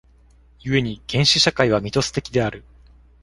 故に原始社会はミトス的である。